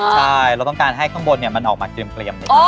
ใช่เราต้องการให้ข้างบนเนี่ยมันออกมาเกรียมดีกว่า